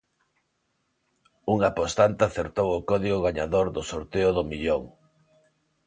Un apostante acertou o código gañador do sorteo do Millón.